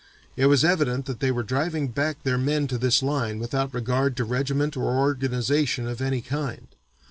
It was evident that they were driving back their men to this line without regard to regiment or organization of any kind.